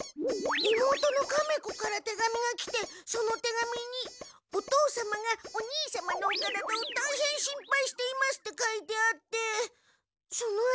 妹のカメ子から手紙が来てその手紙に「お父様がお兄様のお体をたいへん心配しています」って書いてあってそのあとに。